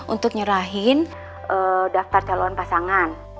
untuk nyerahin daftar calon pasangan